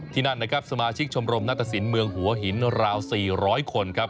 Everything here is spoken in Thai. นั่นนะครับสมาชิกชมรมนาตสินเมืองหัวหินราว๔๐๐คนครับ